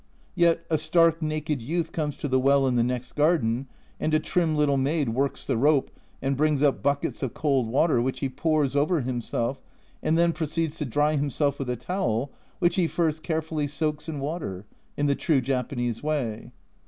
Yet a stark naked youth comes to the well in the next garden, and a trim little maid works the rope and brings up buckets of cold water, which he pours over himself, and then proceeds to dry himself with a towel which he first carefully soaks in water (in the true Japanese way).